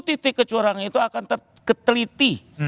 titik kecurangan itu akan terteliti